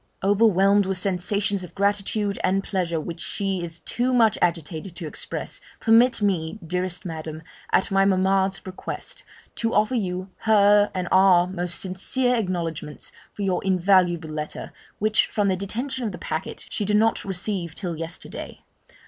'Overwhelmed with sensations of gratitude and pleasure, which she is too much agitated to express, permit me, dearest Madam, at my mamma's request, to offer you hers and our most sincere acknowledgements for your invaluable letter, which, from the detention of the packet, she did not receive till yesterday.